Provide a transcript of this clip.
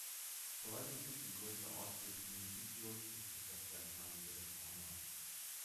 Verwaltungssitz und größter Ort des Municipios ist das gleichnamige Reforma.